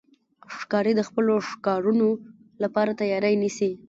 ښکاري د خپلو ښکارونو لپاره تیاری نیسي.